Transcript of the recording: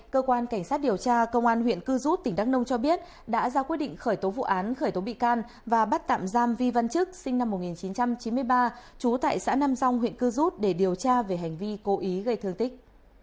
cơ quan cảnh sát điều tra công an huyện cư rút tỉnh đắk nông cho biết đã ra quyết định khởi tố vụ án khởi tố bị can và bắt tạm giam vi văn chức sinh năm một nghìn chín trăm chín mươi ba trú tại xã nam rong huyện cư rút để điều tra về hành vi cố ý gây thương tích